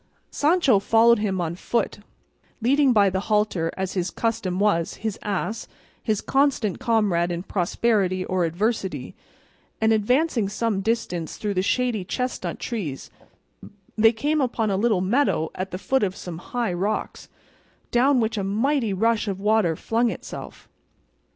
Sancho followed him on foot, leading by the halter, as his custom was, his ass, his constant comrade in prosperity or adversity; and advancing some distance through the shady chestnut trees they came upon a little meadow at the foot of some high rocks, down which a mighty rush of water flung itself.